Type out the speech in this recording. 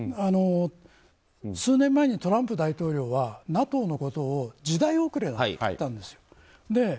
数年前にトランプ大統領がＮＡＴＯのことを時代遅れだと言ったんですよ。